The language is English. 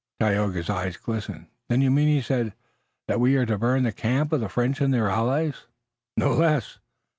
Tayoga's eyes glistened. "Then you mean," he said, "that we are to burn the camp of the French and their allies?" "No less."